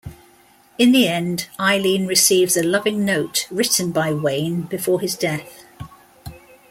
In the end, Eileen receives a loving note written by Wayne before his death.